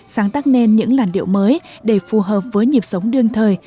sáng tác nên những làn điệu mới để phù hợp với nhịp sống đương thời